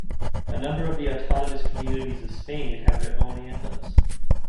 A number of the autonomous communities of Spain have their own anthems.